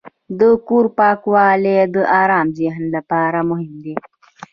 د کور پاکوالی د آرام ذهن لپاره مهم دی.